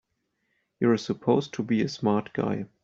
You're supposed to be a smart guy!